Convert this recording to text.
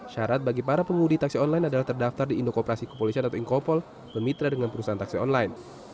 syarat bagi para pengemudi taksi online adalah terdaftar di indokoperasi kepolisian atau inkopol bermitra dengan perusahaan taksi online